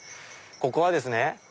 ここはですね